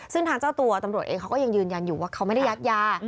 ซึ่งทางเจ้าตัวตำรวจเองเขาก็ยังยืนยันอยู่ว่าเขาไม่ได้ยัดยา